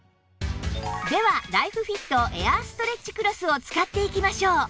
ではライフフィットエアーストレッチクロスを使っていきましょう